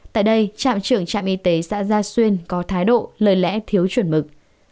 tại đây trạm trưởng trạm y tế xã gia xuyên có thái độ lời lẽ thiếu chuẩn mực